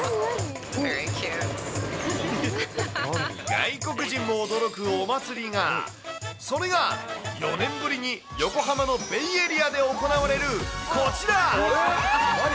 外国人も驚くお祭りが、それが、４年ぶりに横浜のベイエリアで行われるこちら。